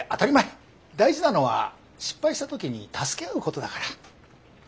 大事なのは失敗した時に助け合うことだから。